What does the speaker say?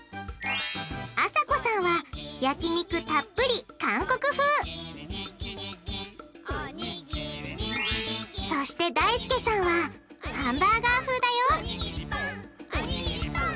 あさこさんは焼き肉たっぷり韓国風そしてだいすけさんはハンバーガー風だよ！